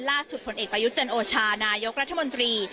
ผลเอกประยุทธ์จันโอชานายกรัฐมนตรี